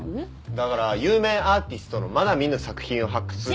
だから有名アーティストのまだ見ぬ作品を発掘。